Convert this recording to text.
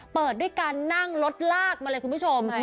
เปิดด้วยการนั่งรถลากมาเลยคุณผู้ชม